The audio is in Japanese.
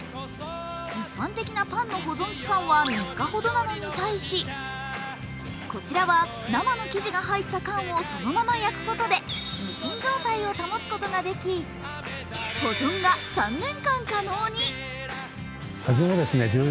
一般的なパンの保存期間は３日ほどなのに対しこちらは生の生地が入ったパンをそのまま焼くことで無菌状態を保つことができ、保存が３年間可能に。